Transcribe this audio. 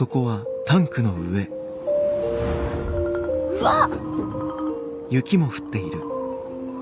うわっ！